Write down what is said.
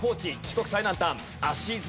四国最南端。